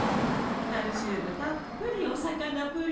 カルシウムたっぷりお魚プリン。